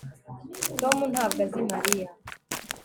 tom ntabwo azi mariya